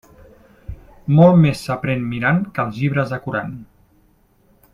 Molt més s'aprén mirant que els llibres decorant.